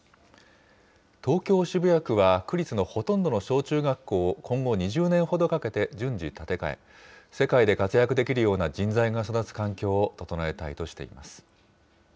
東京・渋谷区は、区立のほとんどの小中学校を今後２０年ほどかけて順次建て替え、世界で活躍できるような人材が育つ環境を整えたいとしています。